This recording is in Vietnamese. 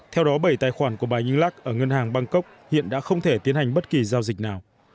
theo đó bảy tài khoản của bà inglak ở ngân hàng bangkok hiện đã không thể tiến hành bất kỳ giao dịch nào